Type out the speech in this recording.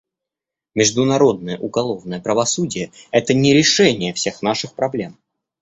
Международное уголовное правосудие — это не решение всех наших проблем.